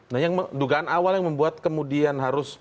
nah yang dugaan awal yang membuat kemudian harus